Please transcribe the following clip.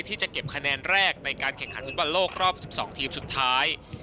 ที่จะเก็บคะแนนแรกในการแข่งขันฟุตบอลโลกรอบ๑๒ทีมสุดท้าย